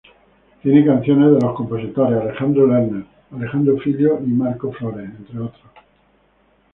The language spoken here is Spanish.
Tiene canciones de los compositores Alejandro Lerner, Alejandro Filio y Marco Flores, entre otros.